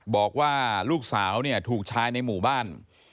บอกว่าลูกสาวเนี่ยถูกชายในหมู่บ้าน